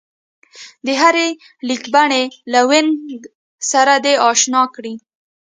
د هرې لیکبڼې له وينګ سره دې ځان اشنا کړي